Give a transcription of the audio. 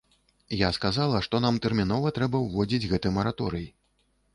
Я сказала, што нам тэрмінова трэба ўводзіць гэты мараторый.